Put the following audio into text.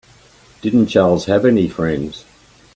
Didn't Charles have any friends?